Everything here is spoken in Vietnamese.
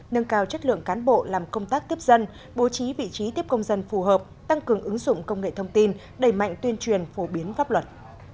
nâng cao chất lượng cán bộ làm công tác tiếp dân bố trí vị trí tiếp công dân phù hợp tăng cường ứng dụng công nghệ thông tin đẩy mạnh tuyên truyền phổ biến pháp luật